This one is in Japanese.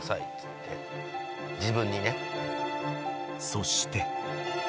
［そして］